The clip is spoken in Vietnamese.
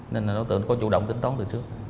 nên là nó tưởng có chủ động tính toán từ trước